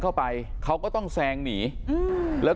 ตอนนี้ก็เปลี่ยนแบบนี้แหละ